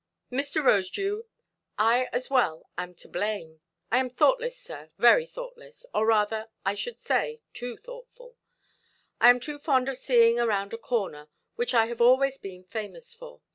"Mr. Rosedew, I as well am to blame. I am thoughtless, sir, very thoughtless, or rather I should say too thoughtful; I am too fond of seeing round a corner, which I have always been famous for.